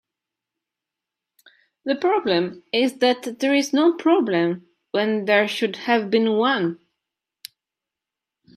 The problem is that there is no problem when there should have been one.